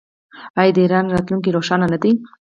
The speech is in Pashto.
آیا د ایران راتلونکی روښانه نه دی؟